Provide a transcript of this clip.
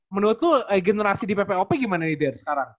menurut lu generasi di ppop gimana nih dier